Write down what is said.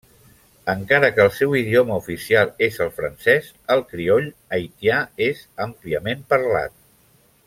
Encara que el seu idioma oficial és el francès, el crioll haitià és àmpliament parlat.